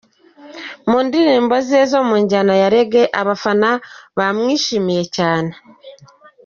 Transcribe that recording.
Mu ndirimbo ze zo mu njyana ya Reggae, abafana bamwishimiye cyane.